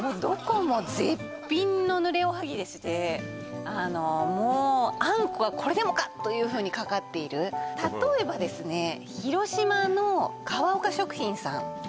どこも絶品のぬれおはぎでしてあのもうあんこがこれでもか！というふうにかかっている例えばですね広島の河岡食品さん